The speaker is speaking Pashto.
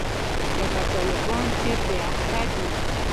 لکه طالبان چې پرې اخته دي.